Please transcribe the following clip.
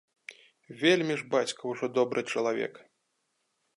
Вельмі ж бацька ўжо добры чалавек.